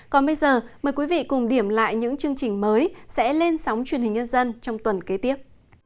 còn bây giờ mời quý vị cùng điểm lại những chương trình mới sẽ lên sóng truyền hình nhân dân trong tuần kế tiếp